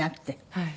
はい。